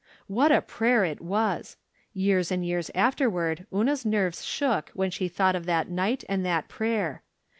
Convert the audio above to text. What a prayer it was ! Years and years afterward Una's nerves shook when she thought of that night and that prayer.